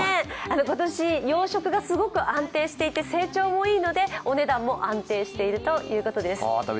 今年、養殖がすごく安定していて成長もいいのでお値段も安定しているということです。